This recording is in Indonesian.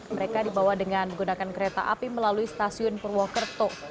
mereka dibawa dengan menggunakan kereta api melalui stasiun purwokerto